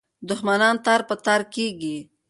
دښمنان تار په تار کېږي.